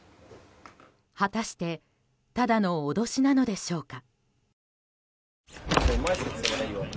果たしてただの脅しなのでしょうか。